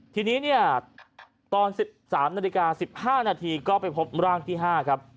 ทีนี้เนี้ยตอนสิบสามนาฬิกาสิบห้านาทีก็ไปพบมร่างที่ห้าครับ